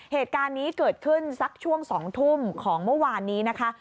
เหตุการณ์นี้เกิดขึ้นสักช่วง๒ทุ่มของเมื่อวานนี้นะคะ